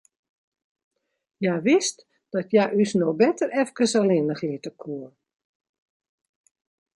Hja wist dat hja ús no better efkes allinnich litte koe.